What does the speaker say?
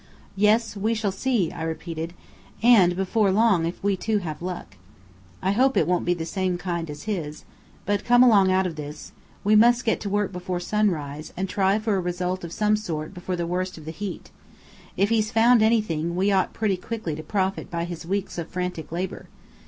"Yes, we shall see," I repeated. "And before long if we too have luck." "I hope it won't be the same kind as his. But come along out of this. We must get to work before sunrise, and try for a result of some sort before the worst of the heat. If he's found anything, we ought pretty quickly to profit by his weeks of frantic labour.